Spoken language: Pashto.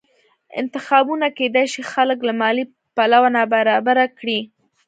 انتخابونه کېدای شي خلک له مالي پلوه نابرابره کړي